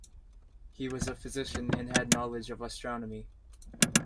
He was a Physician and had knowledge of astronomy.